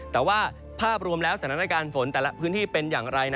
แต่ว่าภาพรวมแล้วสถานการณ์ฝนแต่ละพื้นที่เป็นอย่างไร